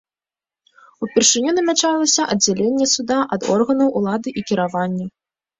Упершыню намячалася аддзяленне суда ад органаў улады і кіравання.